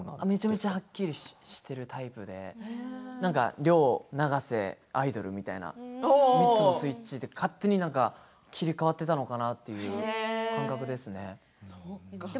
めちゃめちゃはっきりしているタイプで亮、永瀬、アイドルみたいな３つのスイッチで勝手に切り替わっていたのかなみたいな感覚ですね。